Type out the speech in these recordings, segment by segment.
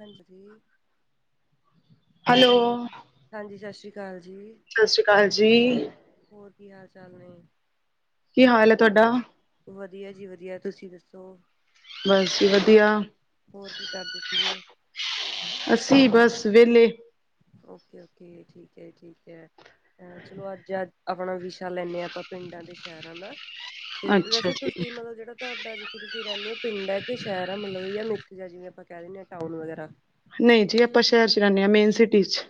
ਹਾਂਜੀ। ਹੈਲੋ, ਹਾਂਜੀ ਸਤਿ ਸ਼੍ਰੀ ਅਕਾਲ ਜੀ। ਸਤਿ ਸ਼੍ਰੀ ਅਕਾਲ ਜੀ। ਹੋਰ ਕੀ ਹਾਲ ਚਾਲ ਨੇ? ਕੀ, ਹਾਲ ਹੈ ਤੁਹਾਡਾ? ਵਧੀਆ ਜੀ- ਵਧੀਆ। ਤੁਸੀਂ ਦੱਸੋ? ਬਸ ਜੀ, ਵਧੀਆ। ਹੋਰ ਕੀ, ਕਰਦੇ ਸੀਗੇ? ਅਸੀਂ ਬਸ, ਵਹਲੇ। Okay, okay. ਠੀਕ ਹੈ, ਠੀਕ ਹੈ। ਚਲੋ ਅੱਜ, ਆਪਣਾ ਵਿਸ਼ਾ ਲੈਂਦੇ ਹਾਂ। ਆਪਾਂ, ਪਿੰਡਾਂ ਤੇ ਸ਼ਹਿਰਾਂ ਦਾ। ਤੇ ਅੱਛਾ ਵੈਸੇ, ਜੀ, ਤੁਸੀਂ ਮਤਲਬ, ਜਿਹੜਾ ਤੁਹਾਡਾ ਜ- ਤੁਸੀਂ ਰਹਿੰਦੇ ਹੋ। ਪਿੰਡ ਹੈ ਕੀ, ਸ਼ਹਿਰ ਹੈ। ਮਲਬ ਮਿਕਸ ਜਿਂਹਾ ਆਪਾਂ, ਕਹਿ ਦਿੰਦੇ ਹਾਂ, ਟਾਊਨ ਵਗੈਰਾ। ਨਹੀਂ ਜੀ, ਆਪਾਂ ਸ਼ਹਿਰ ਚ, ਰਹਿੰਦੇ ਹਾਂ। ਮੇਨ ਸਿਟੀ ਚ।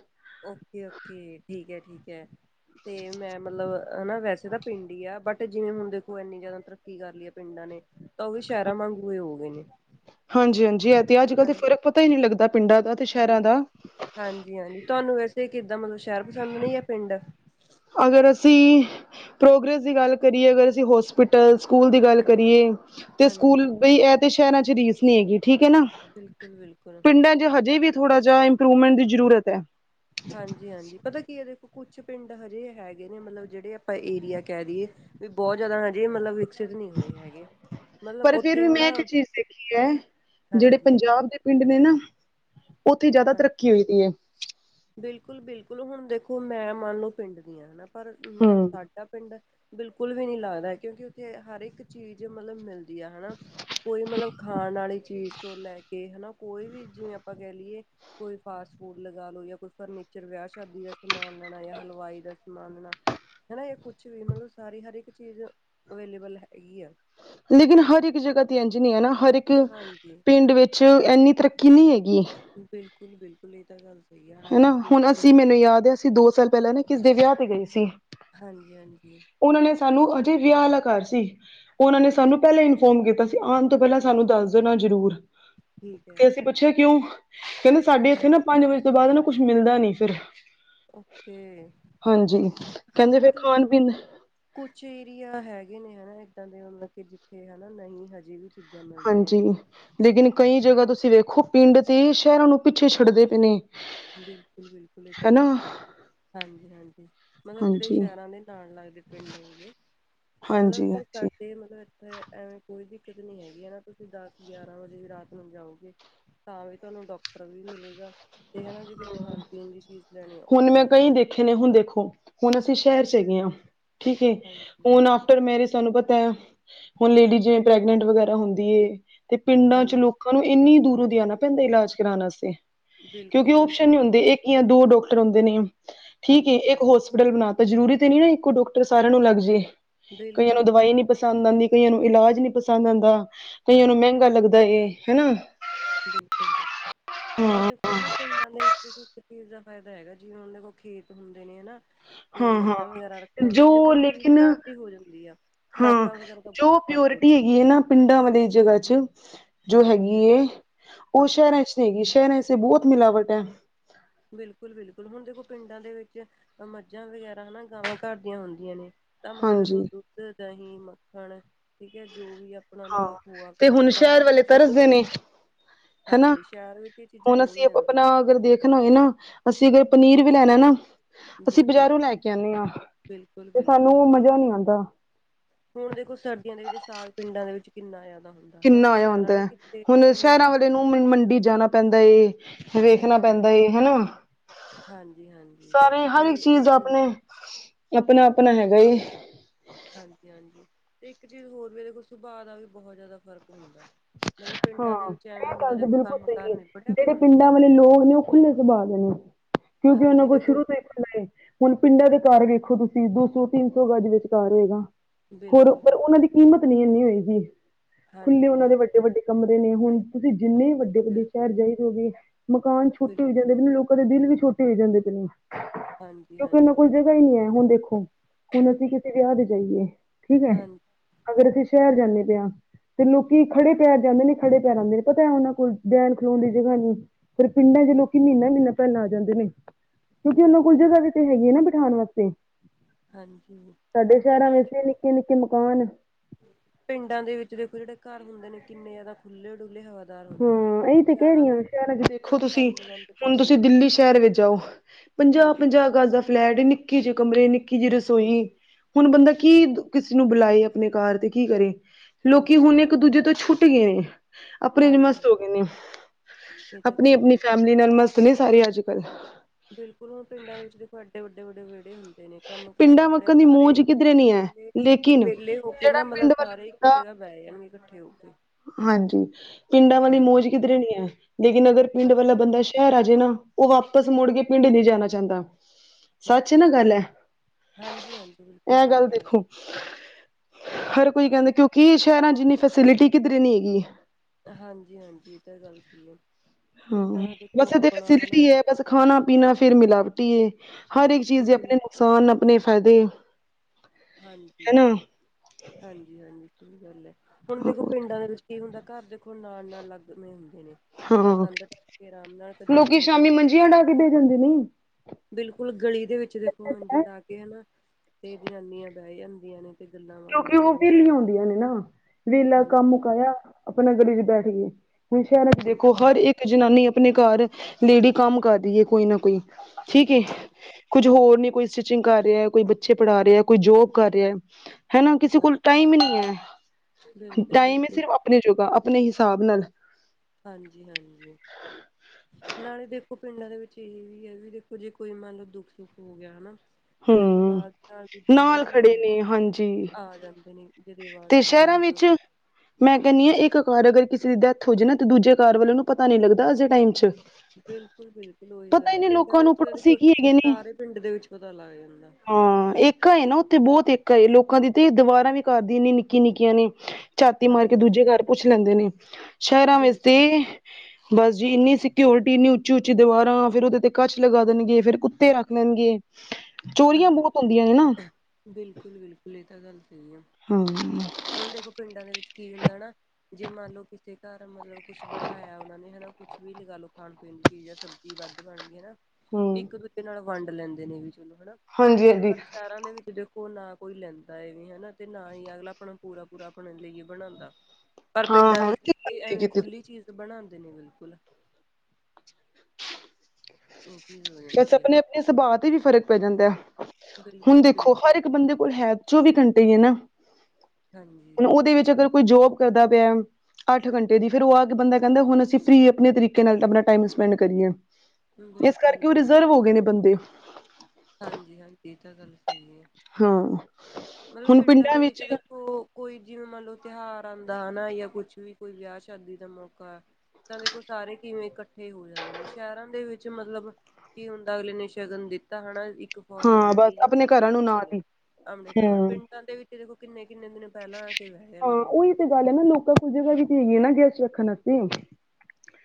Okay, okay. ਠੀਕ ਹੈ, ਠੀਕ ਹੈ। ਤੇ ਮੈਂ ਮਤਲਬ, ਹਨਾ ਵੈਸੇ ਤਾਂ, ਪਿੰਡ ਹੀ ਆ। ਬਟ ਜਿਵੇਂ ਹੁਣ ਦੇਖੋ, ਇੰਨੀ ਜ਼ਿਆਦਾ ਤਰੱਕੀ, ਕਰ ਲਈ ਆ ਪਿੰਡਾਂ ਨੇ। ਤਾਂ ਉਹ ਵੀ, ਸ਼ਾਰਾਂ ਮਾਂਗੂ ਹੀ, ਹੋ ਗਏ ਨੇ। ਹਾਂਜੀ ਹਾਂਜੀ ਇਹ ਤੇ ਅੱਜ ਕੱਲ੍ਹ ਤੇ ਹਾਂਜੀ ਫਰਕ ਪਤਾ ਹੀ ਨਹੀਂ ਲੱਦਾ ਪਿੰਡਾਂ ਦਾ ਤੇ ਸ਼ਹਿਰਾਂ ਹਾਂਜੀ ਦਾ ਹਾਂਜੀ ਹਾਂਜੀ ਤੁਹਾਨੂੰ ਵੈਸੇ ਕਿੱਦਾਂ ਮਤਲਬ ਸ਼ਹਿਰ ਪਸੰਦ ਨਹੀਂ ਹੈ ਪਿੰਡ ਅਗਰ ਅਸੀਂ ਪ੍ਰੋਗਰੈਸ ਦੀ ਗੱਲ ਕਰੀਏ ਅਗਰ ਅਸੀਂ ਹੋਸਪ ਹੋਸਪੀਟਲ ਸਕੂਲ ਦੀ ਗੱਲ ਹਾਂਜੀ ਕਰੀਏ ਤੇ ਸਕੂਲ ਹਾਂਜੀ ਬਈ ਇਹ ਤਾਂ ਸ਼ਹਿਰਾਂ 'ਚ ਰੀਸ ਨਹੀਂ ਹੈਗੀ ਠੀਕ ਹੈ ਨਾ ਬਿਲਕੁਲ ਬਿਲਕੁਲ ਪਿੰਡਾਂ ਚ ਹਜੇ ਵੀ ਥੋੜਾ ਜਹਾ ਇੰਪਰੂਵਮੈਂਟ ਦੀ ਜ਼ਰੂਰਤ ਹੈ ਹਾਂਜੀ ਹਾਂਜੀ ਪਤਾ ਕੀ ਇਹਦੇ ਕੁਛ ਪਿੰਡ ਹਜੇ ਹੈਗੇ ਨੇ ਮਤਲਬ ਜਿਹੜੇ ਆਪਾਂ ਏਰੀਆ ਕਹਿ ਦੇਈਏ ਵੀ ਬਹੁਤ ਜਿਆਦਾ ਹਜੇ ਮਤਲਬ ਸਿੱਧ ਨਹੀਂ ਹੋਏ ਹੈਗੇ ਮਤਲਬ ਪਰ ਫਿਰ ਉੱਥੇ ਵੀ ਮੈਂ ਹਨਾ ਇੱਕ ਚੀਜ਼ ਦੇਖੀ ਹੈ, ਜਿਹੜੇ ਹਾਂਜੀ ਪੰਜਾਬ ਦੇ ਪਿੰਡ ਨੇ ਨਾ ਉੱਥੇ ਜ਼ਿਆਦਾ ਤਰੱਕੀ ਹੋਈ ਦੀ ਹੈ ਬਿਲਕੁਲ ਬਿਲਕੁਲ ਹੁਣ ਦੇਖੋ ਮੈਂ ਮੰਨ ਲਓ ਪਿੰਡ ਦੀ ਹ ਹਨਾ ਪਰ ਮਤਲਬ ਸਾਡਾ ਪਿੰਡ ਬਿਲਕੁਲ ਵੀ ਨੀ ਲੱਗਦਾ ਕਿਉਂਕਿ ਉੱਥੇ ਹਰ ਇੱਕ ਚੀਜ਼ ਮਤਲਬ ਮਿਲਦੀ ਆ ਹਨਾ ਕੋਈ ਮਤਲਬ ਖਾਣ ਵਾਲੀ ਚੀਜ਼ ਤੋਂ ਲੈ ਕੇ ਹਨਾ ਕੋਈ ਵੀ ਜਿਵੇਂ ਆਪਾਂ ਕਹਿ ਲਈਏ ਕੋਈ ਫਾਸਟ ਫੂਡ ਲਗਾ ਲਉ ਜਾਂ ਕੋਈ ਫਰਨੀਚਰ ਵਿਆਹ ਸ਼ਾਦੀ ਦਾ ਸਮਾਨ ਲੈਣਾ ਜਾਂ ਹਲਵਾਈ ਦਾ ਸਮਾਨ ਦੇਣਾ ਹਨਾ ਇਹ ਕੁਛ ਵੀ ਮਤਲਬ ਸਾਰੀ ਹਰ ਇੱਕ ਚੀਜ਼ ਅਵੇਲੇਬਲ ਹੈਗੀ ਆ ਲੇਕਿਨ ਹਰ ਇੱਕ ਜਗ੍ਹਾ ਤੇ ਇੰਝਨੀ ਹੈ ਨਾ ਹਰ ਇੱਕ ਹਾਂਜੀ ਪਿੰਡ ਵਿੱਚ ਇੰਨੀ ਤਰੱਕੀ ਨਹੀਂ ਹੈਗੀ ਬਿਲਕੁਲ ਬਿਲਕੁਲ ਇਹ ਤਾਂ ਗੱਲ ਸਹੀ ਆ ਹਰ ਹਨਾ ਇੱਕ ਦੇ ਹੁਣ ਵਿੱਚ ਅਸੀਂ ਮੈਨੂੰ ਯਾਦ ਹੈ ਅਸੀਂ ਦੋ ਸਾਲ ਪਹਿਲਾਂ ਨਾ ਕਿਸਦੇ ਵਿਆਹ ਤੇ ਗਏ ਸੀ ਹਾਂਜੀ ਹਾਂਜੀ ਉਹਨਾਂ ਨੇ ਸਾਨੂੰ ਹਜੇ ਵਿਆਹ ਵਾਲਾ ਘਰ ਸੀ ਉਹਨਾਂ ਨੇ ਓਕੇ ਸਾਨੂੰ ਪਹਿਲਾਂ ਇਨਫੋਰਮ ਕੀਤਾ ਸੀ ਆਉਣ ਤੋਂ ਪਹਿਲਾਂ ਸਾਨੂੰ ਦੱਸ ਦੇਣਾ ਜ਼ਰੂਰ ਠੀਕ ਹੈ ਤੇ ਅਸੀਂ ਪੁੱਛਿਆ ਕਿਉਂ ਕਹਿੰਦੇ ਸਾਡੇ ਇੱਥੇ ਨਾ ਪੰਜ ਵਜੇ ਤੋਂ ਬਾਅਦ ਨਾ ਕੁੱਛ ਮਿਲਦਾ ਨੀ ਫਿਰ ਓਕੇ ਹਾਂਜੀ ਹਾਂਜੀ ਕਹਿੰਦੇ ਫਿਰ ਮਤਲਬ ਖਾਣ ਪੀਣ ਕੁਛ ਏਰੀਆ ਹੈਗੇ ਨੇ ਹਨਾ ਇੱਦਾਂ ਦੇ ਮਤਲਬ ਕਿ ਜਿੱਥੇ ਹਨਾ ਨਹੀਂ ਹਜੇ ਵੀ ਚੀਜ਼ਾਂ ਮਿਲਦੀਆਂ ਹਾਂਜੀ ਹੈਗੀਆਂ। ਲੇਕਿਨ ਕਈ ਜਗ੍ਹਾ ਤੁਸੀਂ ਵੇਖੋ ਪਿੰਡ ਤੇ ਸ਼ਹਿਰਾਂ ਨੂੰ ਪਿੱਛੇ ਛੱਡਦੇ ਪਏ ਨੇ ਬਿਲਕੁਲ ਬਿਲਕੁਲ ਇਹ ਤਾਂ ਹਨਾ ਗੱਲਤੀ ਹਾਂਜੀ ਹਾਂਜੀ ਮਤਲਬ ਜਿਹੜੇ ਹਾਂਜੀ, ਸ਼ਹਿਰਾਂ ਦੇ ਨਾਲ ਲੱਗਦੇ ਪਿੰਡ ਹੋ ਗਏ ਹਾਂਜੀ ਘ ਹਾਂਜੀ ਕਰਕੇ ਮਤਲਬ ਇੱਥੇ ਐਵੇਂ ਕੋਈ ਦਿੱਕਤ ਨੀ ਹੈਗੀ ਹੈ ਨਾ ਤੁਸੀਂ ਦਸ ਗਿਆਰਾਂ ਵਜੇ ਵੀ ਰਾਤ ਨੂੰ ਜਾਓਗੇ ਤਾਂ ਵੀ ਤੁਹਾਨੂੰ ਡਾਕਟਰ ਵੀ ਮਿਲੇਗਾ ਤੇ ਹਨਾ ਜੇ ਕੋਈ ਖਾਣ ਪੀਣ ਦੀ ਚੀਜ਼ ਲੈਣੀ ਆ ਉਹ ਹੁਣ ਵੀ ਮੈਂ ਕਈ ਮਿਲੇਗੀ। ਦੇਖੇ ਨੇ ਹੁਣ ਦੇਖੋ ਹੁਣ ਅਸੀਂ ਸ਼ਹਿਰ ਚਗੇਏ ਹਾਂ ਠੀਕ ਏ ਹਾਂਜੀ। ਹੁਣ ਆਪ ਪਰ ਮੇਰੀ ਸਾਨੂੰ ਪਤਾ ਐ ਹੁਣ ਲੇਡੀ ਜਿਵੇਂ ਪ੍ਰੈਗਨੈਂਟ ਵਗੈਰਾ ਹੁੰਦੀ ਏ ਤੇ ਪਿੰਡਾਂ ਚ ਹਾਂਜੀ ਲੋਕ ਲੋਕਾਂ ਨੂੰ ਇੰਨੀ ਦੂਰੋਂ ਦੇ ਆਣਾ ਪੈਂਦਾ ਇਲਾਜ ਕਰਾਣ ਆਸੇ। ਕਿਉਂਕਿ ਬਿਲਕੁਲ ਬਿਲਕੁਲ ਓਪਸ਼ਨ ਨੀ ਸਹੀ ਹੁੰਦੇ ਗੱਲ ਏਕ ਯਾ ਦੋ ਡਾਕਟਰ ਹੁੰਦੇ ਨੇ ਠੀਕ ਏ। ਹਾਂਜੀ ਏਕ ਹਾਂਜੀ ਹੋਸ ਪਿੱਟਲ ਬਣਾ ਤੈ ਜਰੂਰੀ ਤੇ ਨੀ ਨਾ ਇੱਕੋ ਡਾਕਟਰ ਸਾਰਿਆਂ ਨੂੰ ਲੱਗ ਜੇ ਕਈਆਂ ਨੂੰ ਬਿਲਕੁਲ ਦਵਾਈ ਨੀ ਪਸੰਦ ਆਂਦੀ। ਕਈਆਂ ਨੂੰ ਇਲਾਜ ਨੀ ਪਸੰਦ ਆਂਦਾ, ਕਈਆਂ ਨੂੰ ਹਾਂਜੀ ਮਹਿੰਗਾ ਲੱਗਦਾ ਏ। ਹਨਾ। ਬਿਲਕੁਲ-ਬਿਲਕੁਲ। ਪਰ ਹਾਂ, ਦੇਖ ਓ ਨਾ ਪਿੰਡ ਆਲੀਆ ਨੂੰ ਸਿਰਫ ਇੱਕ ਚੀਜ਼ ਦਾ ਫਾਇਦਾ ਹੈਗਾ ਜਿਵੇਂ ਉਨਾ ਕੋਲ ਖੇਤ ਹੁੰਦੇ ਨੇ ਹਨਾ। ਤੇ ਹਾਂ, ਮੱਝਾਂ ਹਾਂ ਵਗੈਰਾ ਰੱਖੀਆਂ ਹੁੰਦੀਆਂ ਨੇ ਜੋ ਤੇ ਚੀਜ਼ ਲੇਕਿਨ ਘਰ ਦੀ ਹੋ ਜਾਂਦੀ ਆ ਹਾਂ ਖੁਰਾਕਾਂ ਵਗੈਰਾ ਦਾ ਜੋ ਬਹੁਤ ਫ਼ਰਕ ਪਿਓਰਟੀ ਹੁੰਦਾ ਹੈਗੀ ਏ ਨਾ ਪਿੰਡਾਂ ਵਾਲੀ ਜਗ੍ਹਾ ਚ ਜੋ ਹਾਂਜੀ ਹੈਗੀ ਏ ਹਾਂਜੀ ਉਹ ਬਿਲਕੁਲ ਸ਼ਹਿਰਾਂ ਚ ਨੀ ਹੈਗੀ ਸ਼ਹਿਰਾਂ ਚ ਚ ਬਹੁਤ ਮਿਲਾਵਟ ਐ। ਬਿਲਕੁਲ-ਬਿਲਕੁਲ। ਹੁਣ ਦੇਖੋ ਪਿੰਡਾਂ ਦੇ ਵਿੱਚ ਮੱਝਾਂ ਵਗੈਰਾ ਹਨਾ ਗਾਵਾਂ ਘਰ ਦੀਆਂ ਹੁੰਦੀਆਂ ਨੇ। ਤਾਂ ਮਤਲਬ ਹਾਂਜੀ ਦੇਖੋ ਦੁੱਧ, ਦਹੀਂ, ਮੱਖਣ। ਠੀਕ ਐ ਜੋ ਵੀ ਆਪਣਾ ਹਾਂ ਮਤਲਬ ਖੋਆ ਤੇ ਵਗੈਰਾ ਹੁਣ ਸਾਰਾ ਸ਼ਹਿਰ ਤੇ ਵਾਲੇ ਕੁਛ ਉੱਧਰ ਤਰਸਦੇ ਮਿਲ ਨੇ ਦੈ। ਹਨਾ ਹਾਂਜੀ, ਸ਼ੈਰ ਵਿੱਚ ਇਹ ਚੀਜ਼ਾਂ ਹੁਣ ਨਈ ਅਸੀਂ ਮਿਲਦੀਆਂ। ਆਪਣਾ ਅਗਰ ਦੇਖਣਾ ਹੋਏ ਨਾ ਅਸੀਂ ਅਗਰ ਪਨੀਰ ਵੀ ਲੈਣਾ ਨਾ ਅਸੀਂ ਬਿਲਕੁਲ ਬਜ਼ਾਰੋਂ ਲੈ ਕੇ ਆਣੇ ਆ ਬਿਲਕੁਲ ਤੇ ਸਾਨੂੰ ਬਿਲਕੁਲ ਸਹੀ ਮਜਾ ਨੀ ਆਂਦਾ। ਹੁਣ ਦੇਖੋ ਸਰਦੀਆਂ ਦੇ ਵਿੱਚ ਸਾਗ ਪਿੰਡਾਂ ਦੇ ਵਿੱਚ ਕਿੰਨਾ ਜਾਦਾ ਹੁੰਦਾ। ਹਨਾ ਕਿੰਨਾ ਤੇ ਆਇਆ ਹੁੰਦਾ ਸ਼ਹਿਰਾਂ ਨੇ ਐ। ਕਿਤੇ ਹੁਣ ਦੇਖੋ ਮੁੱਲ ਸ਼ੈਰਾ ਲੈ ਵਾਲਿਆਂ ਕੇ ਨੂੰ ਖਾਂਦੇ ਮੰਡ ਮੰਡੀ ਜਾਣਾ ਪੈਂਦਾ ਏ। ਵੇਖਣਾ ਬਿਲਕੁਲ ਪੈਂਦਾ ਏ ਹਨਾ। ਹਾਂਜੀ ਹਾਂਜੀ ਸਾਰੇ ਹਰ ਮਤਲਬ ਇੱਕ ਇਹ ਚੀਜ਼ ਦਾ ਆਪਣੇ ਅਪਣਾ-ਅਪਣਾ ਹੈਗਾ ਏ। ਹਾਂਜੀ-ਹਾਂਜੀ ਤੇ ਇੱਕ ਚੀਜ਼ ਹੋਰ ਵੇ ਦੇਖੋ ਸੁਭਾਅ ਦਾ ਵੀ ਬਹੁਤ ਜ਼ਿਆਦਾ ਫ਼ਰਕ ਹੁੰਦਾ। ਮਤਲਬ ਪਿੰਡਾਂ ਦੇ ਹਾਂ। ਵਿੱਚ ਐਵੇਂ ਐ ਹੁੰਦਾ ਗੱਲ ਤੇ ਦੇਖੋ ਬਿਲਕੁਲ ਕੰਮ ਕਾਰ ਸਈ ਐ। ਨਿਬੜਿਆ ਜਿਹੜੇ ਆਪਣਾ ਪਿੰਡਾਂ ਵਾਲੇ ਲੋਕ ਨੇ ਉਹ ਖੁੱਲੇ ਸੁਭਾਅ ਦੇ ਨੇ। ਹਾਂਜੀ ਦੇਖੋ [unintelligible] ਹੁਣ ਪਿੰਡਾਂ ਦੇ ਘਰ ਵੇਖੋ ਤੁਸੀਂ ਦੋ ਸੌ, ਤਿੰਨ ਸੌ ਗਜ ਵਿੱਚ ਘਰ ਹੋਏਗਾ। ਹੋਰ ਬਿਲਕੁਲ ਔਰ ਬਿਲਕੁਲ ਉਨਾਂ ਦੀ ਕੀਮਤ ਨੀ ਏਨੀ ਹੋਇਦੀ। ਖੁੱਲੇ ਹਾਂਜੀ ਉਨਾਂ ਦੇ ਹਾਂਜੀ ਵੱਡੇ-ਵੱਡੇ ਕਮਰੇ ਨੇ ਹੁਣ ਤੁਸੀਂ ਜਿੰਨੇ ਵਡ ਵਡੇ-ਵਡੇ ਬਿਲ ਸ਼ਹਿਰ ਜਾਈ ਜੋਗੇ ਮਕਾਨ ਛੋਟੇ ਹੋਈ ਬਿਲਕੁਲ ਜਾਂਦੇ ਵੀ ਲੋਕਾਂ ਦੇ ਦਿਲ ਵੀ ਛੋਟੇ ਹੋਈ ਜਾਂਦੇ ਪੇ ਨੇ। ਹਾਂਜੀ ਕਿਉਂਕਿ ਉਨਾਂ ਹਾਂਜੀ ਕੋਲ ਜਗ੍ਹਾ ਈ ਨੀ ਐ ਹੁਣ ਦੇਖੋ ਹੁਣ ਅਸੀਂ ਕਿਸੇ ਵਿਆਹ ਦੇ ਜਾਈਏ ਠੀਕ ਐ, ਹਾਂਜੀ ਅਗਰ ਅਸੀਂ ਸ਼ੈਰ ਜਾਣੇ ਪੇ ਆ ਤੇ ਲੋਕੀ ਖੜੇ ਪੈਰ ਜਾਂਦੇ ਨੇ ਖੜੇ ਪੈਰ ਆਂਦੇ ਨੇ ਪਤਾ ਐ ਉਨਾਂ ਕੋਲ ਬੈਨ ਖਲੋਣ ਦੀ ਜਗ੍ਹਾ ਨੀ ਪਰ ਪਿੰਡਾਂ ਚ ਬਿਲ ਲੋਕੀ ਮੀਨਾ-ਮੀਨਾ ਤਿੰਨ ਆ ਜਾਂਦੇ ਨੇ ਕਿਉਂਕਿ ਉਨਾਂ ਕੋਲ ਬਿਲਕੁਲ ਜਗ੍ਹਾ ਵੀ ਬਿਲਕੁਲ ਤੇ ਹੈਗੀ ਏ ਨਾ ਬਿਠਾਣ ਵਾਸਤੇ। ਹਾਂਜੀ ਸਾਡੇ ਤੇ ਸ਼ਹਿਰਾਂ ਨਾਲ ਵਿਚ ਦੇਖੋ ਨਿੱਕੇ-ਨਿੱਕੇ ਮਕਾਨ। ਪਿੰਡਾਂ ਦੇ ਵਿੱਚ ਦੇਖੋ ਜੇੜੇ ਘਰ ਹੁੰਦੇ ਨੇ ਕਿੰਨੇ ਜ਼ਿਆਦਾ ਖੁੱਲ੍ਹੇ ਡੁੱਲੇ ਹਵਾ ਹੂੰ ਏਈ ਤੇ ਕਹਿ ਰੀ ਆ, ਸ਼ਹਿਰਾ ਚ ਬਿਲਕੁਲ ਦੇਖੋ ਤੁਸੀਂ ਬੰਦ ਬੰਦ ਘਰ ਹੁਣ ਤੁਸੀਂ ਹੁੰਦੇ ਨੇ ਦਿੱਲੀ ਸ਼ਹਿਰ ਵਿੱਚ ਜਾਓ। ਹਾਂਜੀ ਪੰਜਾਹ-ਪੰਜਾਹ ਗਜ ਦਾ ਫਲੈਟ ਏ ਨਿਕੇ ਜੇ ਕਮਰੇ ਨਿੱਕੀ ਜੀ ਰਸੋਈ। ਬਿਲਕੁਲ ਹੁਣ ਬੰਦਾ ਕੀ ਦੂ ਕਿਸੇ ਨੂੰ ਬੁਲਾਏ ਆਪਣੇ ਘਰ ਤੇ ਕੀ ਕਰੇ। ਲੋਕੀ ਬਿਲਕੁਲ ਹੁਣ ਏਕ ਦੂਜੇ ਤੋਂ ਛੁੱਟ ਗਏ ਨੇ। ਅਪਣੇ ਚ ਹਾਂਜੀ ਮਸਤ ਹੋ ਗਏ ਨੇ ਹਾਂਜੀ ਇਹ ਤਾਂ ਗੱਲ ਅਪਣੀ-ਅਪਣੀ ਸੀ ਫੈਮਲੀ ਨਾਲ ਮਸਤ ਨੇ ਸਾਰੇ ਅੱਜ ਕੱਲ। ਬਿਲਕੁਲ ਹੁਣ ਪਿੰਡਾਂ ਦੇ ਵਿਚ ਦੇਖੋ ਏਡੇ ਵੱਡੇ ਵਡੇ ਵਿਹੜੇ ਹੁੰਦ ਤੇ ਨੇ ਕੰਮ ਕਾਰ ਨੇ ਪਿੰਡਾਂ ਬੜੇ ਵੱਕਣ ਦੀ ਸਾਰੇ ਮੌਜ ਕਿਧਰੇ ਨੀ ਹੈ ਵੇਲੇ ਲੇਕਿਨ ਵੇਲੇ ਹੋ ਕੇ ਜਿਹੜਾ ਨਾ ਮਤਲਬ ਪਿੰਡ ਵਾਲਾ ਸਾਰੇ ਇੱਕ ਬੰਦਾ ਜਗ੍ਹਾ ਪੈ ਯਾਂਗੇ ਕੱਠੇ ਹੋ ਕੇ। ਹਾਂਜੀ ਪਿੰਡਾਂ ਵਾਲੀ ਹਾਂਜੀ ਮੌਜ ਕਿੱਧਰੇ ਨੀ ਐ। ਲੇਕਿਨ ਅਗਰ ਪਿੰਡ ਹਾਂ ਵਾਲਾ ਬੰਦਾ ਸ਼ੈਰ ਆ ਜੇ ਨਾ ਉਹ ਵਾਪਸ ਮੁੜ ਕੇ ਪਿੰਡ ਨੀ ਜਾਣਾ ਚਾਹੁੰਦਾ। ਸੱਚ ਬਿਲਕੁਲ ਏ ਨਾ ਬਿਲਕੁਲ ਗੱਲ ਐ? ਹਾਂਜੀ ਹਾਂਜੀ ਬਿਲਕੁਲ ਐ ਸਹੀ ਗੱਲ ਕਿਹਾ ਦੇਖੋ ਹਰ ਕੋਈ ਕਹਿੰਦਾ ਤੁਸੀਂ। ਕਿਉਂਕਿ ਸ਼ਹਿਰਾਂ ਜਿਨੀ ਫੈਸਿਲਿਟੀ ਕਿਧਰੇ ਨੀ ਹੈਗੀ। ਹਾਂਜੀ-ਹਾਂਜੀ ਇਹ ਤਾਂ ਗੱਲ ਸਈ ਐ। ਹਾਂ, ਬਸ ਏਥੇ ਫੈਸਿਲਿਟੀ ਐ ਬਸ ਖਾਣਾ ਪੀਣਾ ਫੇਰ ਮਿਲਾਵਟੀ ਏ ਹਰ ਇੱਕ ਚੀਜ਼ ਦੇ ਬਿਲ ਆਪਣੇ ਨੁਕਸਾਨ ਆਪਣੇ ਫ਼ਾਇਦੇ। ਹਾਂਜੀ-ਹਾਂਜੀ-ਹਾਂਜੀ ਸਈ ਗੱਲ ਐ। ਹੁਣ ਦੇਖੋ ਪਿੰਡਾਂ ਦੇ ਵਿੱਚ ਕੀ ਹੁੰਦਾ ਘਰ ਦੇਖੋ ਨਾਲ-ਨਾਲ ਲੱਗ ਮੇ ਹੁੰਦੇ ਨੇ। ਬੰਦਾ ਹਾਂ, ਕੰਧ ਢੱਕ ਕੇ ਆਰਾਮ ਨਾਲ ਕਦੇ ਕਿਸੇ ਲੋਕੀ ਦੇ ਘਰੇ ਸ਼ਾਮੀ ਵੜ, ਮੰਜੀਆਂ ਡਾ ਕੇ ਬੈ ਜਾਂਦੇ ਨੇ ਬਿਲਕੁਲ ਗਲੀ ਦੇ ਵਿੱਚ ਦੇਖੋ ਮੰਜੇ ਡਾ ਕੇ ਹਨਾ ਤੇ ਜਨਾਨੀਆਂ ਬੈ ਜਾਂਦੀਆਂ ਨੇ ਤੇ ਗੱਲਾਂ ਮਾਰੀ ਕਿਉਂਕਿ ਓ ਜਾਂਦੀਆਂ ਨੇ ਸ਼ਾਮ ਵੇਲੀਆਂ ਵੇਲੇ ਹੁੰਦੀਆਂ ਨੇ ਨਾ ਵੇਲਾ ਕੰਮ ਹਾਂਜੀ ਹਾਂਜੀ ਮੁਕਾਇਆ ਆਪਣਾ ਗਲੀ ਚ ਬੈਠ ਗੀ। ਹੁਣ ਸ਼ੈਰਾ ਚ ਦੇਖੋ ਬਿਲਕੁਲ ਹਰ ਇੱਕ ਜਨਾਨੀ ਆਪਣੇ ਘਰ ਲੇਡੀ ਕੰਮ ਕਰ ਰੀ ਐ ਕੋਈ ਨਾ ਕੋਈ ਠੀਕ ਐ ਬਿਲਕੁਲ ਕੁਝ ਹੋਰ ਨੀ ਕੋਈ ਸਟਿਚਿੰਗ ਕਰ ਰਿਆ, ਕੋਈ ਬੱਚੇ ਪੜ੍ਹਾ ਰਿਆ, ਕੋਈ ਜੋਬ ਕਰ ਰਿਆ ਹੈਨਾ ਕਿਸੇ ਹਾਂ, ਕੋਲ ਟਾਈਮ ਈ ਨੀ ਐ ਬਿਲਕੁਲ ਟਾਈਮ ਬਿਲਕੁਲ ਸਿਰਫ ਆਪਣੇ ਜੋਗਾ ਆਪਣੇ ਹਿਸਾਬ ਨਾਲ ਹਾਂਜੀ ਹਾਂਜੀ ਨਾਲੇ ਦੇਖੋ ਪਿੰਡਾਂ ਦੇ ਵਿੱਚ ਏ ਵੀ ਐ ਵੀ ਦੇਖੋ ਜੇ ਕੋਈ ਮੰਨ ਲਓ ਦੁੱਖ ਸੁੱਖ ਹੋ ਗਿਆ ਹਨਾ ਕਦੇ ਕੋਲ ਨਾ ਹਮ ਨਾਲ ਦੂਜਾ ਹਨਾ ਖੜੇ ਨੇ ਗਆਂਢੀ ਹਾਂਜੀ ਆ ਜਾਂਦੇ ਨੇ ਜਿਦੀ ਆਵਾਜ਼ ਤੇ ਸੁਣ ਕੇ ਸ਼ਹਿਰਾਂ ਵੀ ਸਾ ਵਿੱਚ ਮੈਂ ਕਹਿੰਨੀ ਆ, ਇੱਕ ਘਾਰ ਅਗਰ ਕਿਸੇ ਦੀ ਡੈਥ ਹੋ ਜਾਏ ਨਾ, ਦੂਜੇ ਘਾਰ ਵਾਲੇ ਨੂੰ ਪਤਾ ਨੀ ਲੱਗਦਾ, ਅੱਜ ਦੇ ਟਾਈਮ ਚ ਬਿਲਕੁਲ- ਬਿਲਕੁਲ ਉਹੀ ਪਤਾ ਗੱਲ ਹੀ ਹੈ, ਨਹੀਂ ਪਿੰਡਾਂ ਲੋਕਾਂ ਦੇ ਨੂੰ ਵਿੱਚ ਪੜੋਸੀ ਦੇਖੋ, ਕੀ ਹੈਗੇ ਨੇ ਸਾਰੇ ਪਿੰਡ ਦੇ ਵਿੱਚ ਪਤਾ ਲੱਗ ਜਾਂਦਾ। ਹਾਂ ਏਕਾ ਏ ਨਾ, ਉੱਥੇ ਬਹੁਤ ਏਕਾ ਏ, ਲੋਕਾਂ ਦੀ ਤੇ ਦੀਵਾਰਾਂ ਵੀ ਘਰ ਦੀ ਇਨੀਂ ਨਿੱਕੀਆਂ- ਨਿੱਕੀਆਂ ਨੇ। ਝਾਤੀ ਮਾਰ ਕੇ, ਹਾਂਜੀ ਦੂਜੇ ਹਾਂਜੀ ਘਰ ਪੁੱਛ ਲੈਂਦੇ ਨੇ, ਸ਼ਹਿਰਾਂ ਵਿੱਚ ਬਿਲਕੁਲ ਤੇ ਬਸ ਜੀ ਇੰਨੀ, ਸਿਕਉਰਿਟੀ ਇੰਨੀ ਉੱਚੀ -ਉੱਚੀ ਦੀਵਾਰਾਂ, ਫੇਰ ਉਹਦੇ ਤੇ ਕੱਚ ਲਗਾ ਦੇਣਗੇ, ਫਿਰ ਕੁੱਤੇ ਰੱਖ ਲੈਣਗੇ। ਚੋਰੀਆਂ ਹਾਂਜੀ ਬਹੁਤ, ਹੁੰਦੀਆਂ ਨੇ ਨਾ। ਬਿਲਕੁਲ- ਬਿਲਕੁਲ, ਇਹ ਤਾਂ ਗੱਲ ਸਹੀ ਆ। ਹਾਂ ਹੁਣ ਦੇਖੋ ਪਿੰਡਾਂ ਦੇ ਵਿੱਚ ਕੀ ਹੁੰਦਾ ਹਨਾ ਜੇ ਮੰਨ ਲਓ ਕਿਸੇ ਘਰ ਮਤਲਬ ਕੁਛ ਬਣਾਇਆ ਉਨਾਂ ਨੇ ਹਨਾ ਕੁਛ ਵੀ ਲਗਾ ਲੋ ਖਾਣ ਪੀਣ ਦੀ ਚੀਜ਼ ਜਾਂ ਸਬਜ਼ੀ ਵੱਧ ਬਣਗੀ ਹਨਾ ਹਮ ਇੱਕ ਨਾਲ ਵੰਡ ਲੈਂਦੇ ਨੇ ਵੀ ਚਲੋ ਹਨਾ ਹਾਂਜੀ ਤੇ ਹਾਂਜੀ ਪਰ ਸ਼ੈਰਾ ਦੇ ਵਿੱਚ ਦੇਖੋ ਉਹ, ਨਾ ਕੋਈ ਲੈਂਦਾ ਏ ਹਨਾ ਤੇ ਨਾ ਹੀ ਅਗਲਾ ਆਪਣਾ ਪੂਰਾ- ਪੂਰਾ ਆਪਣੇ ਲਈ ਈ ਬਣਾਉਂਦਾ। ਪਰ ਹਾਂ ਪਿੰਡਾਂ ਹਾਂ ਦੇ, ਐਵੇਂ ਕੀਤੀ ਖੁੱਲੀ ਚੀਜ਼ ਬਣਾਉਂਦੇ ਨੇ, ਬਿਲਕੁਲ ਇਹ, ਚੀਜ਼ ਹੋ ਬਸ ਜਾਂਦੀ ਆ। ਆਪਣੇ ਸੁਭਾਅ ਤੇ ਵੀ ਫ਼ਰਕ ਪੈ ਜਾਂਦਾ ਹੈ, ਹੁਣ ਬਿਲਕੁਲ ਦੇਖੋ ਬਿਲਕੁਲ ਹਰ ਇੱਕ ਬੰਦੇ ਕੋਲ ਹੈ। ਚੌਵੀ ਘੰਟੇ ਹੀ ਹੈ ਨਾ, ਹਾਂਜੀ ਉਹਦੇ ਵਿੱਚ ਅਗਰ ਕੋਈ ਜੋਬ ਕਰਦਾ ਪਿਆ ਅੱਠ ਘੰਟੇ ਦੀ, ਫਿਰ ਉਹ ਆ ਕੇ ਬੰਦਾ ਕਹਿੰਦਾ ਹੁਣ ਅਸੀਂ ਫ੍ਰੀ ਆਪਣੇ ਤਰੀਕੇ ਨਾਲ ਆਪਣਾ ਟਾਈਮ ਸਪੈਂਡ ਕਰੀਏ, ਬਿਲਕੁਲ ਇਸ ਕਰਕੇ ਉਹ ਬਿਲਕੁਲ ਰਿਜ਼ਰਵ ਹੋ ਗਏ ਨੇ ਬੰਦੇ। ਹਾਂਜੀ -ਹਾਂਜੀ, ਇਹ ਤਾਂ ਗੱਲ ਸਹੀ ਹੈ। ਹਾਂ। ਮਤਲਬ, ਪਿੰਡਾਂ ਦੇ ਵਿੱਚ ਦੇਖੋ ਕੋਈ ਜਿਵੇਂ ਮੰਨ ਲਉ, ਤਿਉਹਾਰ ਆਉਂਦਾ ਹਨਾ, ਜਾਂ ਕੁਛ ਵੀ ਕੋਈ ਵਿਆਹ ਸ਼ਾਦੀ ਦਾ ਮੌਕਾ ਕਿੱਦਾਂ ਦੇਖੋ, ਸਾਰੇ ਕਿਵੇਂ ਇਕੱਠੇ ਹੋ ਜਾਂਦੇ ਨੇ, ਸ਼ਹਿਰਾਂ ਦੇ ਵਿੱਚ ਮਤਲਬ ਕੀ ਹੁੰਦਾ, ਅਗਲੇ ਨੇ ਸ਼ਗਨ ਦਿੱਤਾ ਹਨਾ, ਇੱਕ ਹਾਂ ਫੋਰਮੈਲਿਟੀ ਬਸ ਜੀ ਆਪਣੇ ਕੀਤੀ ਘਰਾਂ ਪੂਰੀ ਨੂੰ ਨਾ ਚਲੋ ਦੀ ਆਪਣੇ ਘਰਾਂ ਨੂੰ, ਹਮ ਪਿੰਡਾਂ ਦੇ ਵਿੱਚ ਦੇਖੋ, ਕਿੰਨੇ -ਕਿੰਨੇ ਦਿਨ ਪਹਿਲਾਂ ਆ ਕੇ ਬਹਿ ਜਾਂਦੇ ਨੇ। ਇਹ ਗੱਲ ਹੈ ਨਾ, ਲੋਕਾਂ ਕੁਝ ਜਗ੍ਹਾ ਵੀ ਤੇ ਹੈਗੀ ਨਾ ਗੈਸਟ ਰੱਖਣ ਵਾਸਤੇ।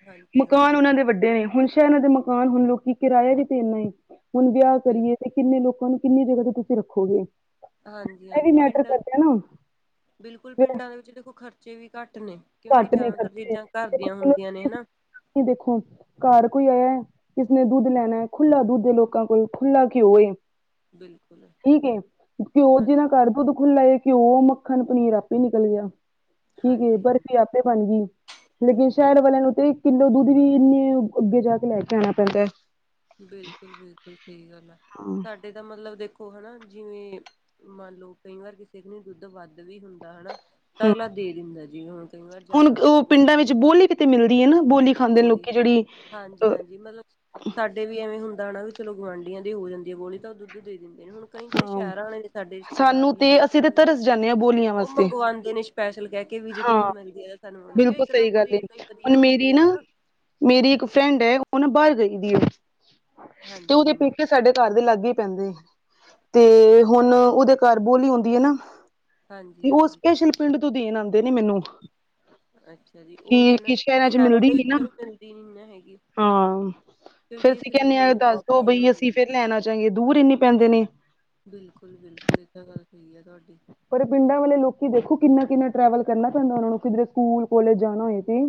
ਹਾਂਜੀ ਹਾਂਜੀ ਮਕਾਨ ਉਹਨਾਂ ਦੇ ਵੱਡੇ ਨੇ, ਹੁਣ ਸ਼ਹਿਰਾਂ ਦੇ ਮਕਾਨ ਹੁਣ ਲੋਕੀ ਕਿਰਾਇਆ ਵੀ ਤੇ ਇੰਨਾ ਏ ਹੁਣ ਵਿਆਹ ਕਰੀਏ ਬਿਲਕੁਲ ਤੇ ਕਿੰਨੇ ਲੋਕਾਂ ਨੂੰ, ਕਿੰਨੀ ਜਗ੍ਹਾ ਤੇ ਤੁਸੀਂ ਰੱਖੋਗੇ? ਹਾਂਜੀ ਇਹ ਵੀ -ਹਾਂਜੀ, ਮੈਟਰ ਪਿੰਡਾਂ ਕਰਦਾ ਨਾ ਬਿਲਕੁਲ, ਫਿਰ ਪਿੰਡਾਂ ਦੇ ਵਿੱਚ ਦੇਖੋ ਖਰਚੇ ਵੀ ਘੱਟ ਨੇ। ਕਿਉਂਕਿ ਘੱਟ ਜ਼ਿਆਦਾਤਰ ਚੀਜ਼ਾਂ, ਘਰ ਦੀਆਂ ਹੁੰਦੀਆਂ ਨੇ, ਹਨਾ ਕੀ ਦੇਖੋ ਘਰ ਕੋਈ ਆਇਆ ਕਿਸੀ ਨੇ ਦੁੱਧ ਲੈਣਾ, ਖੁੱਲਾ ਦੁੱਧ ਏ, ਲੋਕਾਂ ਕੋਲ ਖੁੱਲਾ ਘਿਉ ਏ। ਬਿਲਕੁਲ ਠੀਕ ਏ, ਘਿਓ, ਹਾਂਜੀ, ਜਿਹਨਾ ਘਰ ਦੁੱਧ ਖੁੱਲਾ ਏ। ਘਿਓ, ਮੱਖਣ, ਪਨੀਰ ਆਪੇ ਨਿਕਲ ਗਿਆ, ਠੀਕ ਏ, ਹਾਂਜੀ, ਹਾਂਜੀ ਬਰਫ਼ੀ ਆਪੇ ਬਣ ਗਈ। ਲੇਕਿਨ, ਇਹ ਸ਼ਹਿਰ ਵਾਲਿਆਂ ਨੂੰ ਤੇ, ਇੱਕ ਕਿੱਲੋ ਦੁੱਧ ਵੀ ਇੰਨੀ ਅੱਗੇ ਜਾ ਕੇ, ਲੈ ਕੇ ਆਣਾ ਪੈਂਦਾ। ਬਿਲਕੁਲ -ਬਿਲਕੁਲ, ਸਹੀ ਗੱਲ ਹੈ। ਹਾਂ ਸਾਡੇ ਤਾਂ ਮਤਲਬ ਦੇਖੋ ਹੈਨਾ, ਜਿਵੇਂ ਮੰਨ ਲਉ, ਕਈ ਵਾਰ ਕਿਸੇ ਕੰਨੀ ਦੁੱਧ ਵੱਧ ਵੀ ਹੁੰਦਾ ਹੈਨਾ। ਹੂੰ ਅਗਲਾ ਦੇ ਦਿੰਦਾ, ਜਿਵੇਂ ਹੁਣ ਕਈ ਵਾਰ ਜ਼ਿਆਦਾ ਮੱਝਾਂ ਰੱਖਣਦਾ ਤੇ ਮਿਲਦੀ ਹੈ ਨਾ, ਬੋਲੀ ਖਾਂਦੇ ਲੋਕੀ ਜਿਹੜੀ ਅਹ। ਤੇ ਵੀ ਐਵੇਂ ਹੁੰਦਾ ਨਾ, ਵੀ ਚਲੋ ਗੁਆਂਢੀਆਂ ਦੇ ਹੋ ਜਾਂਦੀ ਹੈ ਬੋਲੀ, ਤਾਂ ਉਹ ਦੁੱਧ ਦੇ ਦਿੰਦੇ ਨੇ। ਕਈ ਜਿਹੜੇ ਹਾਂ ਸ਼ਹਿਰਾਂ ਵਾਲੇ, ਸਾਡੇ ਰਿਸ਼ਤੇਦਾਰ ਸਾਨੂੰ ਵੀ ਤੇ ਹੈਗੇ ਨੇ ਅਸੀਂ ਸ਼ਹਿਰਾਂ ਤੇ ਵਿੱਚ। ਤਰਸ ਜਾਂਦੇ ਹਾਂ ਬੋਲੀਆਂ ਉਹ ਵਾਸਤੇ ਮੰਗਵਾਉਂਦੇ ਨੇ, ਸਪੈਸ਼ਲ ਕਹਿ ਕੇ ਵੀ ਜੇ ਹਾਂ ਕਿੱਥੋਂ ਮਿਲਦੀ ਐ। ਕਿਉਂ, ਬਿਲਕੁਲ ਇੱਕਦਮ ਉਹ ਸਹੀ ਗੱਲ ਏ ਸਰੀਰ ਲਈ ਵਧੀਆ ਹੁਣ ਹੁੰਦੀ ਮੇਰੀ ਨਾ ਆ, ਹਨਾ। ਮੇਰੀ ਇੱਕ ਫਰੈਂਡ ਹੈ, ਉਹ ਨਾ ਬਾਹਰ ਗਈ ਦੀ ਹੈ, ਤੇ ਹਾਂਜੀ ਉਹਦੇ ਹਾਂਜੀ ਪੇਕੇ ਸਾਡੇ ਘਰ ਦੇ ਲਾਗੇ ਹੀ ਪੈਂਦੇ, ਤੇ ਓਕੇ ਹੁਣ ਉਹਦੇ ਘਰ ਬੋਲੀ ਹੁੰਦੀ ਹੈ ਨਾ ਹਾਂਜੀ ਤੇ ਉਹ, ਹਾਂਜੀ ਸਪੈਸ਼ਲ ਪਿੰਡ ਤੋਂ ਦੇਣ ਆਉਂਦੇ ਨੇ ਮੈਨੂੰ। ਅੱਛਾ ਜੀ ਉਹੀ ਕਿ- ਹੈ ਨਾ ਕਿ, ਸ਼ਹਿਰਾਂ ਚ ਮਿਲਦੀ ਦੇ ਨੀ, ਵਿੱਚ ਨਾ ਤਾਂ ਮਿਲਦੀ ਨੀ ਨਾ ਹੈਗੀ ਹਾਂ। ਫੇਰ ਕਿਉਂਕਿ ਇਹ ਅਸੀਂ ਸਰੀਰ ਕਹਿੰਨੇ ਲਈ ਹਾਂ, ਵੀ ਦੱਸ ਬਹੁਤ ਦੋ ਬਈ ਫਾਇਦੇਮੰਦ ਅਸੀਂ ਫੇਰ ਹੁੰਦੀ ਹੈ ਲੈਣ ਆ ਜਾਂਗੇ, ਦੂਰ ਇੰਨੀ ਪੈਂਦੇ ਨੇ। ਬਿਲਕੁਲ -ਬਿਲਕੁਲ, ਇਹ ਤਾਂ ਗੱਲ ਸਹੀ ਹੈ, ਤੁਹਾਡੀ। ਪਰ ਪਿੰਡਾਂ ਵਾਲੇ ਲੋਕੀ ਦੇਖੋ, ਕਿੰਨਾ -ਕਿੰਨਾ ਟਰੈਵਲ ਕਰਨਾ ਪੈਂਦਾ ਉਹਨਾਂ ਨੂੰ, ਕਿਧਰੇ ਸਕੂਲ ਕਾਲਜ ਜਾਣਾ ਹੋਏ ਤੇ।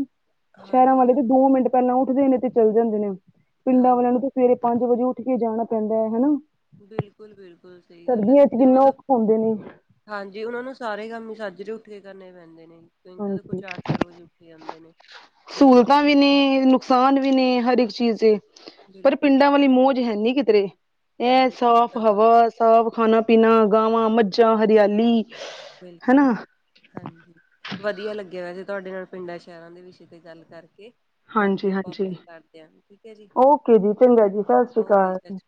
ਸ਼ਹਿਰਾਂ ਹਾਂਜੀ ਵਾਲੇ ਤੇ, ਹਾਂਜੀ ਦੋ ਮਿੰਟ ਪਹਿਲਾਂ ਉੱਠਦੇ ਨੇ ਤੇ ਚੱਲ ਜਾਂਦੇ ਨੇ ਪਿੰਡਾਂ ਵਾਲਿਆਂ ਹਾਂਜੀ ਨੂੰ ਤੇ ਸਵੇਰੇ, ਪੰਜ ਵਜੇ ਉੱਠ ਕੇ ਜਾਣਾ ਪੈਂਦਾ ਹਨਾ। ਬਿਲਕੁਲ- ਬਿਲਕੁਲ ਸਹੀ ਗੱਲ ਹੈ। ਸਰਦੀਆਂ ਚ ਤੇ ਕਿੰਨਾ ਮਤਲਬ ਔਖਾ ਹੁੰਦੇ ਨੇ ਹਾਂਜੀ ਉਹਨਾਂ ਨੂੰ ਸਾਰੇ ਕੰਮ ਹੀ ਸੱਜਰੇ ਉੱਠ ਕੇ ਕਰਨੇ ਪੈਂਦੇ ਨੇ ਕਈ ਤਾਂ ਦੇ ਕੋਈ ਹਾਂਜੀ ਚਾਰ -ਚਾਰ ਵਜੇ ਉੱਠ ਕੇ ਜਾਂਦੇ ਨੇ। ਸਵੇਰੇ ਸਹੂਲਤਾਂ ਵੀ ਨੇ ਨੁਕਸਾਨ ਵੀ ਨੇ ਹਰ ਇੱਕ ਚੀਜ਼ ਦੇ। ਪਰ ਬਿਲਕੁਲ ਪਿੰਡਾਂ ਵਾਲੀ ਬਿਲਕੁਲ ਮੌਜ ਹੈਨੀ ਕਿਧਰੇ। ਇਹ ਹਾਂਜੀ ਸਾਫ਼ ਤਾਂ ਗੱਲ ਹਵਾ ਸਾਫ ਖਾਾਨਾ ਪੀਣਾ ਗਾਵਾਂ ਮੱਝਾਂ ਹਰਿਆਲੀ। ਬਿਲਕੁਲ ਹਨਾ -ਬਿਲਕੁਲ। ਹਾਂਜੀ ਵਧੀਆ ਲੱਗਿਆ ਵੈਸੇ ਤੁਹਾਡੇ ਨਾਲ ਪਿੰਡਾਂ ਸ਼ਹਿਰਾਂ ਦੇ ਵਿਸ਼ੇ ਤੇ ਗੱਲ ਕਰਕੇ। ਬਾਕੀ ਹਾਂਜੀ ਆਪਾਂ ਹਾਂਜੀ ਫੇਰ ਕਰਦੇ ਹਾਂ ਠੀਕ ਹੈ ਜੀ ਓਕੇ ਜੀ ਚੰਗਾ ਜੀ ਸਤਿ ਸ਼੍ਰੀ ਓਕੇ ਅਕਾਲ ਜੀ।